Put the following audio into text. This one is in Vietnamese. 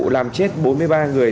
làm chết bốn mươi ba người